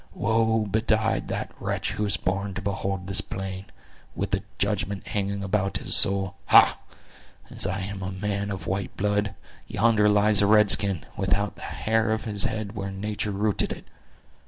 Woe betide the wretch who is born to behold this plain, with the judgment hanging about his soul! Ha—as I am a man of white blood, yonder lies a red skin, without the hair of his head where nature rooted it!